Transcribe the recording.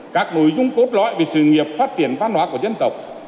các nội dung cốt lõi về sự nghiệp phát triển văn hóa của dân tộc